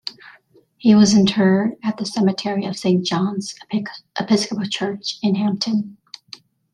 He was interred at the cemetery of Saint John's Episcopal Church in Hampton.